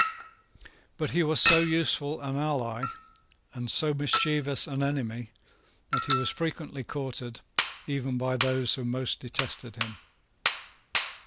But he was so useful an ally, and so mischievous an enemy that he was frequently courted even by those who most detested him.